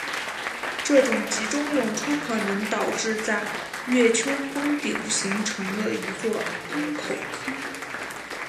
这种集中涌出可能导致在月丘峰顶形成了一座喷口坑。